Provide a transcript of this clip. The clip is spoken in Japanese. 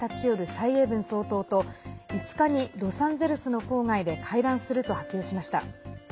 蔡英文総統と５日に、ロサンゼルスの郊外で会談すると発表しました。